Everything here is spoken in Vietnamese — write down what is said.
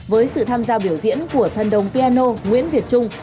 với sự tham gia biểu diễn của thân đồng piano nguyễn việt trung